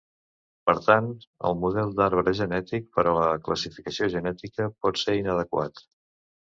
Per tant, el model d'arbre genètic per a la classificació genètica pot ser inadequat.